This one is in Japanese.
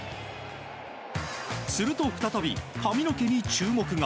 すると、再び髪の毛に注目が。